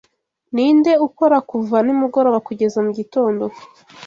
Ninde ukora kuva nimugoroba kugeza mugitondo